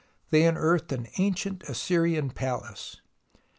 They unearthed an ancient Assyrian palace.